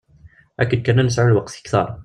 Akken kan ad nesɛu lweqt kter.